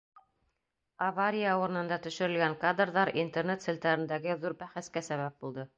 Авария урынында төшөрөлгән кадрҙар Интернет селтәрендәге ҙур бәхәскә сәбәп булды.